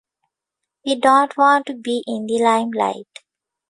We don't want to be in the limelight.